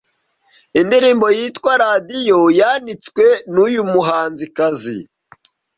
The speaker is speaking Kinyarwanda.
Indirimbo yitwa Radiyo yanditswe n'uyu muhanzikazi